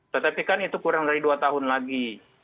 tetapi kan itu kurang dari dua tahun lagi